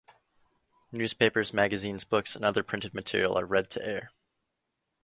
Newspapers, magazines, books, and other printed material are read to air.